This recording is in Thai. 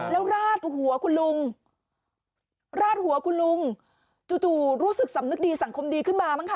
แล้วราดหัวคุณลุงจู่จู่รู้สึกสำนึกดีสังคมดีขึ้นมามั้ยคะ